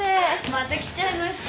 また来ちゃいました。